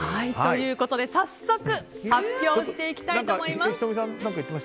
早速、発表していきたいと思います。